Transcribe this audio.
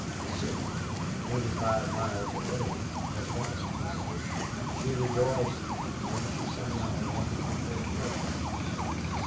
The City, twenty five miles away, had lost heavily. She rejoiced, and yet she somehow wanted to pay her price.